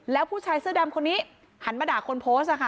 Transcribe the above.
แล้วผู้ชายเสื้อดำคนนี้หันมาด่าคนโพสต์ค่ะ